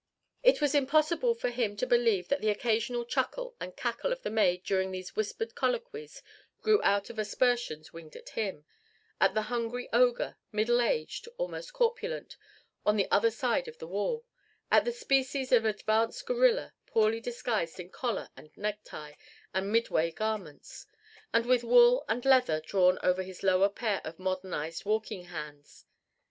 It was impossible for him to believe that the occasional chuckle and cackle of the maid during these whispered colloquies grew out of aspersions winged at him at the hungry ogre, middle aged, almost corpulent, on the other side of the wall; at the species of advanced gorilla, poorly disguised in collar and necktie and midway garments; and with wool and leather drawn over his lower pair of modernized walking hands!